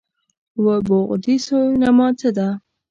اووه بعدی سینما څه ده؟